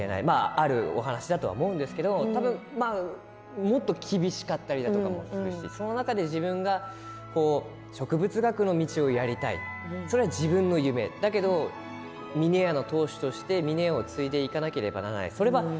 あるお話だと思うんですけれどももっと厳しかったりもするしその中で自分が植物学の道をやりたい、それは自分の夢だけど峰屋の当主として峰屋を継いでいかなくてはいけない。